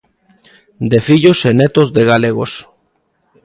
De fillos e netos de galegos.